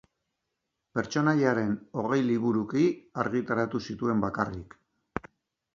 Pertsonaiaren hogei liburuki argitaratu zituen bakarrik.